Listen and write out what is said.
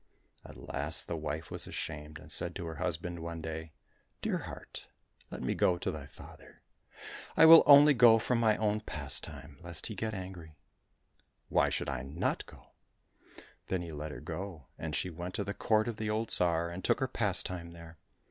At last the wife was ashamed, and said to her husband one day, " Dear heart ! let me go to thy father ! I will only go for my own pastime, lest he get angry. Why should I not go .^" Then he let her go, and she went to the court of the old Tsar, and took her pastime there.